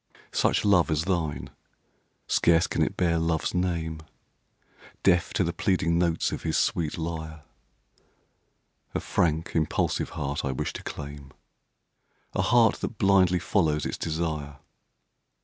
Such love as thine, scarce can it bear love's name, Deaf to the pleading notes of his sweet lyre, A frank, impulsive heart I wish to claim, A heart that blindly follows its desire.